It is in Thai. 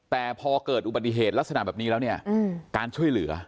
แต่พอเกิดอุบัติเหตุลักษณะแบบนี้แล้วเนี่ยการช่วยเหลือ